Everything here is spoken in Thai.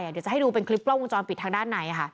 เดี๋ยวจะให้ดูเป็นคลิปกล้องวงจรปิดทางด้านในค่ะ